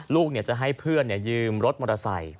ลูกจะให้เพื่อนยืมรถมอเตอร์ไซค์